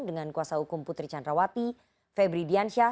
dengan kuasa hukum putri candrawati febri diansyah